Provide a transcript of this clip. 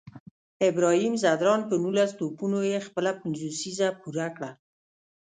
ابراهیم ځدراڼ په نولس توپونو یې خپله پنځوسیزه پوره کړه